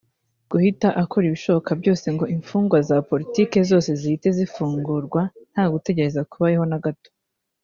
Guhita akora ibishoboka byose ngo imfungwa za politiki zose zihite zifungurwa nta gutegereza kubayeho na guto